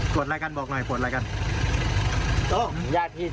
โกรธรายการบอกหน่อยโกรธรายการ